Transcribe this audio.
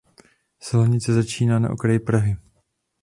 Silnice začíná na okraji Prahy.